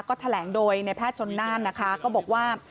ก็แถลงโดยในแพทย์ชนน่านนะคะก็บอกว่า